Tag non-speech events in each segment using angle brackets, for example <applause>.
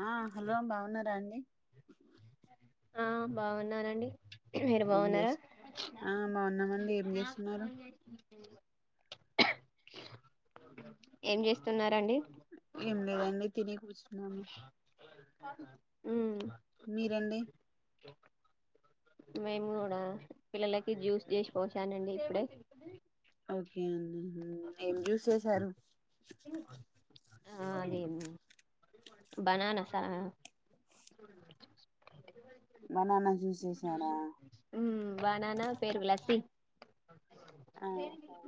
ఆ హలో బాగున్నారా అండి ఆ బాగున్ననండి మీరు ఏం బాగున్నారా చేసి ఆ బాగున్నామండి ఏం చేస్తున్నారు ఏం చేస్తున్నారండి ఏం లేదండి తిన కూర్చు నమ ఉ మీరండి మేము పిల్లలకి జ్యూస్ చేసిపోసానండి ఇప్పుడే ఓకే అండి ఏం జ్యూస్ చేసారు బననస బనానా చూససారా బానానా పేరు విలాసి ఆహ అ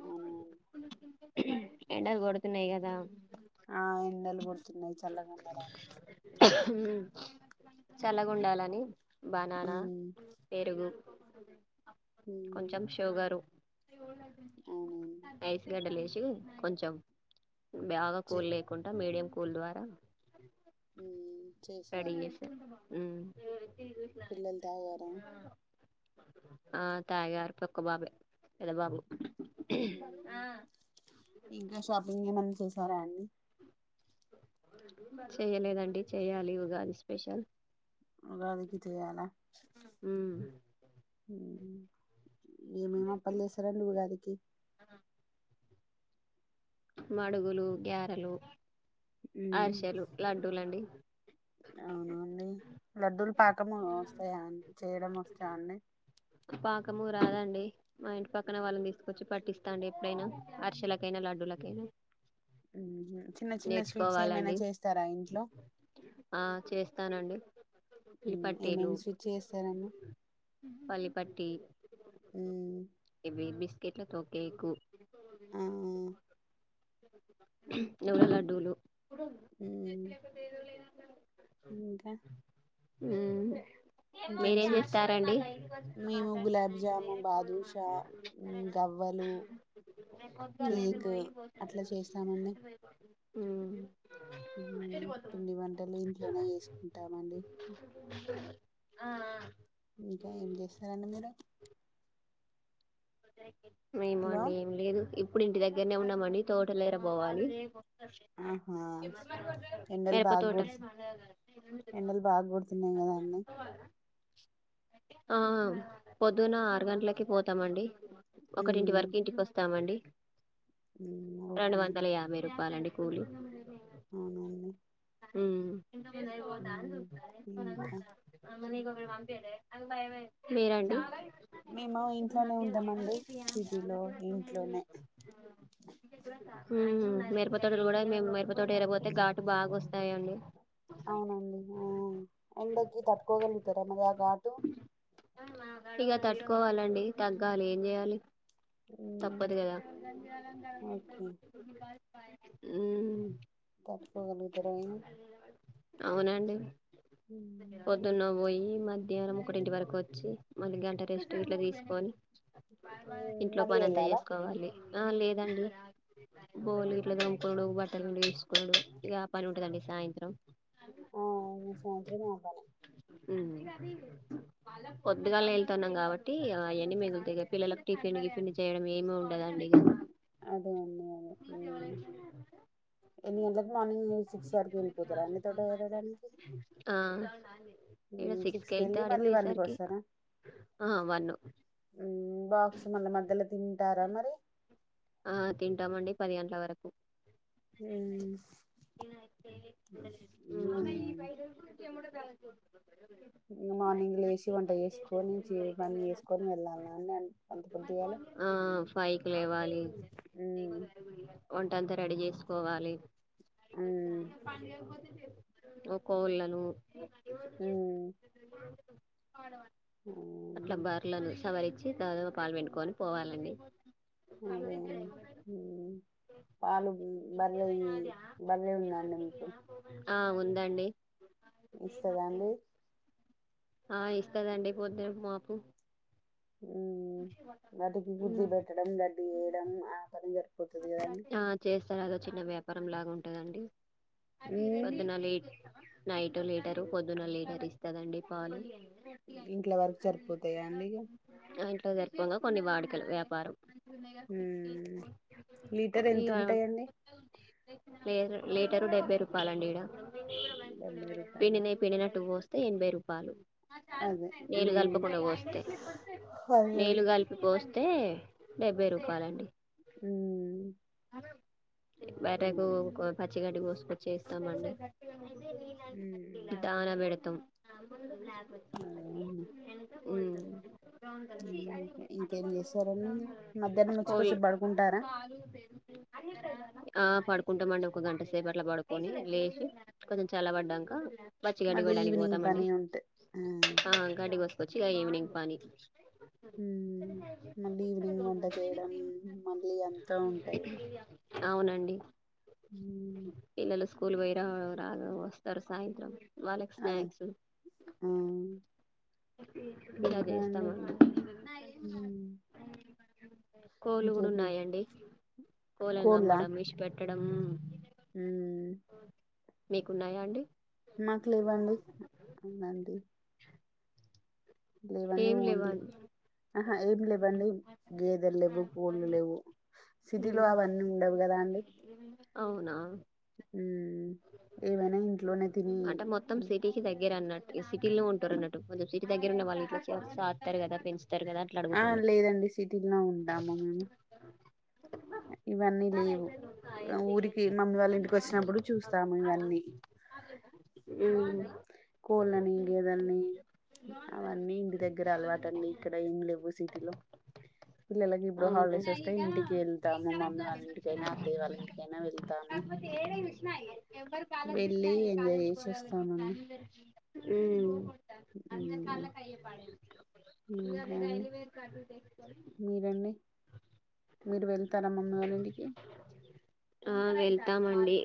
ఎండది కొడుతున్నాయి కదా న్నాయి చల్లగా ఉండడానికి చాలగా ఉండాలని బననా ఉమ్ పెరుగు ఉమ్ కొంచెం షూవు గారు అవునండి వయసు కడలే కొంచం బాగా చే కూల్ లేకుండా మీడియం గుో దవారా ఉ పడిస పిల్లలు తాగారం ఆ తాయగారు పక్క బాబే పెద బాబు ఇంకా షాపింగ్ ఏమన్నా చూస్త <unintelligible> చెయలేదండి చెయ్యాలి ఇ కాదు స్పెషల్ ఉగాదికి చెయ్యాలా మ్మ్ హుమ్ ఏమేమి అప్పని చేస్తారా నువ్వు గారికి మడుగులు గ్యారెలు ఆర్శలు లడ్డుూలండి అవునండి లడ్డూలు పాకం వస్తాయా చేయడం వస్తా అండి పాకము రాదండి మా ఇంటి పక్కన వాళ్ళని తీసుకొచ్చి పట్టిస్తాండి ఎప్పుడైనా అరిశెలకైనా లడ్డుల కేనా చిన్న చిన్న స్వీట్స్ ఏమైనా చేస్తారా ఇంట్లో చెప్స్తానండి ఏమేమి స్విచ్ చేస్తారండి టీ హుమ్ కేట్లతో కేకు ఆ ఎవో లడ్డులు అ బ ఇంకా ఉమ్ ఇంకేం స్వీట్స్ మేము గులాబ్ జాము బాదూష గవ్వలు కేక్ అట్లా చేస్తామండి హ్మ్మ్ పిండి వంటలు ఇంట్లోనే చేసుకుంటామండి ఆ ఆ ఇంకా ఏం చేస్తారండి మీరు మేం హలో అండి ఏం లేదు ఇప్పుడు ఇంటి దగ్గరనే ఉన్నామని తోట లే ఎర పోవాలి ఆహా ఎండలు మిరప బాగా తోట కుడుతు ఎండలు బాగా కుడుతున్నాయి కదా అన్నీ ఆ పొద్దున ఆరు గంటలకి పోతామండి ఒకటింటి అండి వరకు ఇంటికి వస్తామండి హ్మ్ రెండు ఓకే వందల అండి యాభై రూపాయలండి పోలీ <unintelligible> అవునండి మ్మ్ ఇంతమంది వో తాన్ హ్మ్ సూత్తన్ ఇంకా <unintelligible> మీరు వంపిలే అది భయ మై మ్మ్ మేము ఇంట్లోనే ఉం ట మండి సిటీలో ఇంట్లోనే మ్మ్ మిరపతోటలో కూడా మేం మిరపతోట ఎరపోతే ఘాటు బాగా వస్తాయండి అవునండి ఆ ఎండకి తట్టుకోగలుగుతారా మరి ఆ ఘాటు. ఇక తట్టుకోవాలండి తగ్గాలి ఏం చేయాలి హ్మ్ తప్పదు కదా ఓకే హ్మ్ తట్టుకోగలుగుతారు అయిన అవునండి పొద్దున్నవోయి మధ్యాహ్నం ఒకటింటి వరకు వచ్చి మళ్ళీ గంట రెస్ట్ ఇట్ల తీసుకోని హ్మ్ ఇంట్లో మళ్ళీ పనంతా వెళ్ళాలా చేసుకోవాలి ఆ లేదండి బోలు ఇట్లా తోముకోడు, బట్టలువిండి వేసుకోడు ఇగ పని ఉంటదండి సాయంత్రం. ఆ సాయంత్రం ఆ పనే పొద్దుగాళ్ వెళ్తన్నాం కాబట్టి అయెన్నీ మి అంతేగ పిల్లలకి టిఫెన్ గిఫెన్ చేయడం ఏమి ఉండదండి ఇగ దాన్నే ఎన్ని గంటలకు మార్నింగ్ సిక్స్ వరకు వెళ్ళిపోతారా అండి తోట ఆ ఇక మ్మ్ సిక్స్ కి సిక్స్కి వెళ్తే వెళ్ళి ఆడికి మళ్ళీ వన్కు పోయేసరికి వస్తారా, ఆ వన్ మ్మ్ బాక్స్ మళ్ళీ మధ్యలో తింటారా మరి. ఆ తింటామండి పది గంటల వరకు హ్మ్ హ్మ్ ఇంగ మార్నింగ్ లేసి వంట చేసుకొని చే పని చేసుకొని వెళ్ళాలనా నన్ అంత పొద్దుగాలె. వంటంతా రెడీ చేసుకోవాలి. ఉమ్ ఓ కోళ్ళనువ్ హుమ్మ్ <unintelligible> అట్లా బార్లోలను సవారి వచ్చి దాదాగా పాలు పెంటుకొని పోవాలండి అదే పాలు బర్రె బర్రె ఉందండి మీకు అడి ఇన్స్టాగ్రామ్లే ఆ ఇస్తదండిపోద్దు మాపు వాటికి గుద్ది పెట్టడం దడ్డి వేయడం ఆ పని సరిపోతది కదండి ఆ చేస్తారు అదో చిన్న వ్యాప్ రంలాగా ఉంటుందండి ఉమ్ పద్నాలు ఏట్ నైట్ లీటరు పొద్దున లీటర్ ఇస్తదండి పాలు ఇంట్ల వరకు సరిపోతాయా అండి ఇక జరిపంగా కొన్ని వాడుకలు వ్యాపారం అంతనే లీటర్ ఎంత ఉంటాయంండి లీటరు డెబ్బై రూపాయలండి ఇడ డెబ్బై రూపాయల పిడి న పిడి నా టూవస్త ఎనభై రూపాయలు అదే నీలు హ్మ్. కలపకుండా పోస్తే అదేలే. నేళ్లు కలిపిస్తే అయితే డెబ్భై రూపాయలండి అ బయటకు పచ్చికడ్ పోసుకొచ్చ ఇస్తామండి హ్మ్. దాన పెడతాం అదే అన్నా. ఉ హ్మ్. ఇంకేం చేశారండి ఇగ? మధ్యాహ్నం వచ్చి కోయి కొంచెం పడుకుంటారా? చాలు అ ఆ పడుకుంటామండి ఒక గంట సేప అట్లా పడుకొని లేచి కొంచెం చాల పడ్డాక పచ్చి గడ్డి మళ్ళీ పోయడానికి ఈవినింగ్ పోతామండి పని ఉంటే ఆ గడ్డికి వస్తచ్చు ఈవవినింగ్ పనీ మళ్ళీ ఈవినింగ్ వంట చేయడం మళ్ళీ ఎంత ఉంటుంది అవునండి ఇలలో స్కూల్ వైరా వస్తారు సాయంత్రం వాళ్ళకి అదే. స్నాక్స్ ఆ! ఇలా ఇంకా చేస్తాం అండి? అనమాట హ్మ్. కోళ్ళు కూడా ఇంకేం చేస్ ఉన్నాయండి కోళ్ళా? కోళ్లనుగమ్మడం ఇష్పట్టడం హ్మ్. మీకున్నాయా అండి మాకు లేవ్వండి అవునండి లేవండి ఏం లేవా ఓన్లీ అండి ఆహా ఏమి లేవండి గేదల్ లేవు కోళ్ళు లేవు సిటీలో అవన్నీ ఉండవు కదా అండి అవునా ఏవైనా ఇంట్లోనే తిని అంటే మొత్తం సిటీకి దగ్గర అన్నట్టు సిటీలో ఉంటారు అన్నట్టు కొెంచెమ్ సిటీ దగ్గర ఉన్న వాళ్ళ ఇ చస్తారు కదా పె ఆ లేదండి సిటీలో ఉంటాము మేము ఇవన్నీ లేవు ఊరికి మమ్మీ వాళ్ళ ఇంటికి వచ్చినప్పుడు చూస్తాము ఇవన్నీ కోళ్ళని గేదల్ని అవన్నీ దగ్గర అలవాటు అండి ఇక్కడ ఏం లేవు సిటీలో పిల్లలకి ఇప్పుడు అవునా హాలిడేస్ వస్తాయి ఇంటికి వెళ్తాము మమ్మీ వాళ్ళంటికైనా అత్తయ్య వాళ్ళ ఇంటికైనా వెళ్తాము వెళ్ళి ఎంజాయ్ చేసి వస్తాముని హుమ్మ్ ఉ అయ్యే పాడైంది త అది డైలీవేర్ కటితే మీరన్నడి మీరు వెళ్తారా మమ్మీ వాళ్ళ ఇంటికి ఆ వెళ్తామండి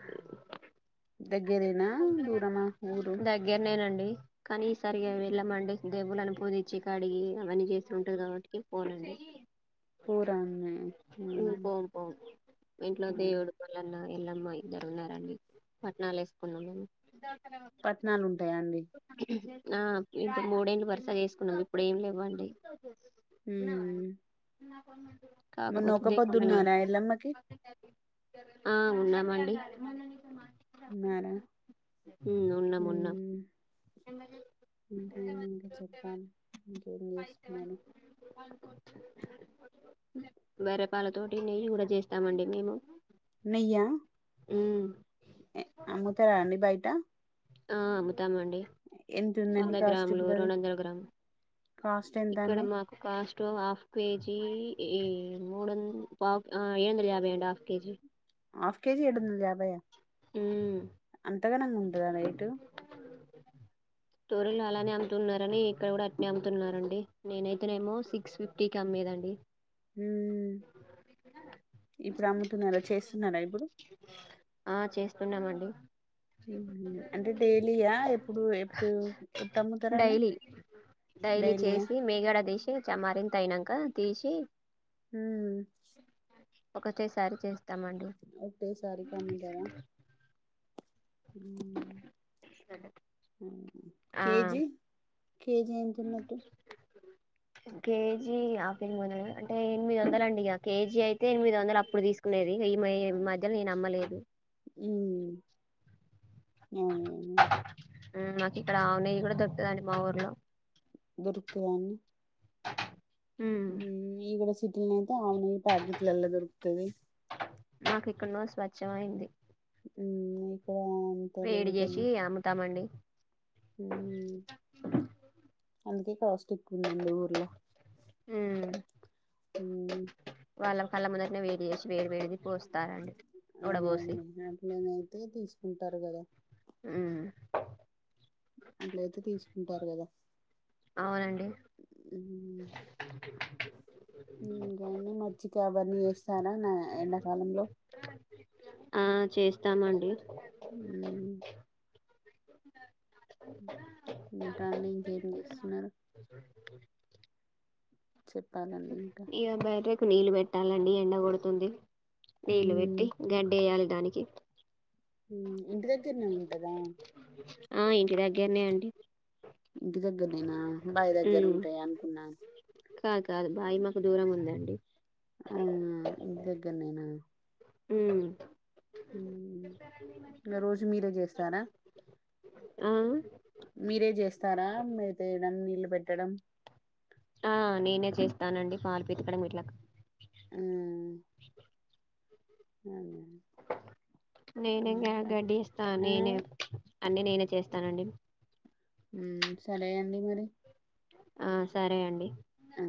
దగ్గరేనా దూరమా ఊరు దగ్గరనేనండి కానీ ఈసరిగా వెళ్ళామండి దేవుల పోదచ కాడిగి అవన్నీ చేస్త ఉంటది కాబట్టి ఫోన్ అండి పూరమే పోం పోం వీట్లో దేవుడికిపోవలన్నా వెళ్లమ్మ ఇద్దరు ఉన్నారండి పట్టనాలు వేసుకున్నాం మేము పట్నాలు ఉంటాయా అండి ఆ ఇ మూడేలు వరుస చేేసుకున్నాం ఇప్పుడు ఏం లేవండి హ్మ్ ఉవు మరి నొక్క పొద్దున్నారా ఎల్లమ్మకి ఆ ఉన్నామండి మార ఉమ్ ఉన్నాం అీ ఉన్నాం ఇంకా చెప్పాలి ఇంకేం చేస్తున్నారు వరపాలతోోటి నెయ్యి కూడా చేస్తామండి మేము ఉమ్ నయాము త రాాలీ బయిటా ఆ మ ాండి వంద ఉందండి కాస్ట్ గ్రాములు ఇప్పుడు అది రెండు వందల గ్రాము కాస్ట్ ఎంత ఇక్కడ అండి మాకు కాస్ట్ ఇో హఫ్ కేజీ ఈ మూడు వ పా ఏడు వందల యాభై అండి హాఫ్ కేజీ హాఫ్ కేజి ఇడుభయా ఉమ్ ఎంతగనంగా ఉంటదా రేటు స్టోరలు అలానే అమ్ముతున్నారని ఇక్కడ కూడా అట్నే అమ్ముతున్నడి నేనైతేనేమో సిక్స్ ఫిఫ్టీ కి అమ్మేదండి హ ఇప్పుడు అమ్ముతున్నలా చేస్తున్నారా ఇప్పుడు న్నామండి అంటే డైలీయా ఎప్పుడు ఎప్పుడు ఎప్పుడు అమ్ముతారండి డైలీ డైలీ డైలీయా చేసి మేగడ తీసి చమారింత అయినాక తీసి హమ్ ఒకటసారి చేస్త ఒకతేే సారి కమ్ కా ఆ కేజీ కేజీ ఎతున్నట్టు కేజీ ఆని మూందలు అంటే ఎనిమిది వందల అండి ఇక కేజీ అయితే ఎనిమిది వందలు అప్పుడు తీసుకునేది ఈ ఈ మధ్యలో నేను అమ్మలేదు అ మాకు ఇక్కడ ఆవున్నాయి కూడా దొరుకుదండి మా ఊర్లో రుకేలాన్ని ఈవిడ ఇ ఆవునే ప్యాకెట్ల ఎల్ దొరుకుతది మాకు ఇక్కడ నుో స్వచ్ఛం అయింది ఉ వేడి చేసి అమ్ముతామండి హ్మ్. అందుకే కాస్ట్ ఎక్కువందండి ఊర్లో హ వాళ్ళ కళ్ళ ముొదటన వేడి చేసి వేడి వేడిది పోస్తారండి అది ఉడబోసి అ అల నతే తీ ఉంటారు కదా అ అట్లయితే తీసుకు ఉంటారు కదా అవునండి ఇంకాండి మర్చిిక అవన్నీ చేస్తారా నా ఎండాకాలంలో ఆ చేస్తామండి అ ఇంటాలో ఇంకేం చేస్తున్నారు చెప్పాలండి ఇంకా ఇ బర నీళ్ళు పెట్టాలండి ఎండ కొడుతుంది నీళ్లు పెట్టి మ్మ్. గడ్డయాల దానికి ఇంటి దగ్గరనే ఉంటదా ఆ ఇంటి దగ్గరనే అండి ఇంటి దగ్గరనేనా అబ్బాయి దగ్గర ఉమ్ ఉంటాయి అనుకున్నాను కాదు కాదు బాయి మాకు దూరం ఉందండి ఆ ఇ కనా హ ఇ రోజు మీరే చేస్తారా ఆ తరా మేతేయడం నీళ్ళు పెట్టడం ఆ నేనే చేస్తానండి పాలు పెతకడం వట్లా ఆ హ ననే గడిస్తస్తా ఆ ననే అన్నీ నేనే చేస్తానండి సరే అండి మరి ఆ సరే అండి ఆ